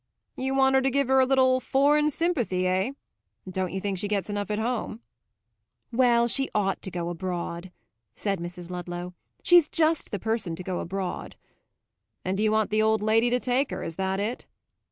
"You want her to give her a little foreign sympathy, eh? Don't you think she gets enough at home?" "Well, she ought to go abroad," said Mrs. Ludlow. "She's just the person to go abroad." "And you want the old lady to take her, is that it?"